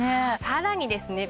さらにですね